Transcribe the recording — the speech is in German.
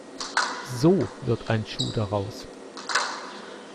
So wird ein Schuh daraus.